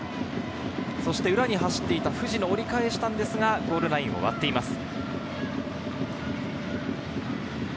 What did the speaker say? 裏に走っていた藤野が折り返したのですが、ゴールラインを割っています。